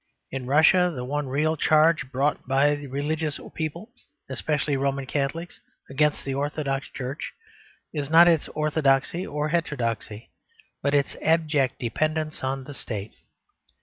In Russia the one real charge brought by religious people (especially Roman Catholics) against the Orthodox Church is not its orthodoxy or heterodoxy, but its abject dependence on the State.